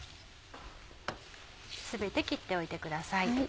全て切っておいてください。